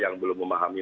yang belum memahami